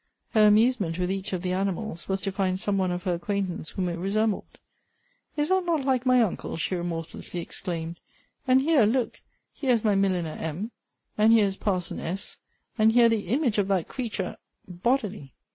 Her amusement with each of the animals, was to find some one of her acquaintance whom it resembled. " Is that not like my uncle?" she remorselessly exclaimed; " and here, look, here is my milliner M., and here is Par son S., and here the image of that creature bodily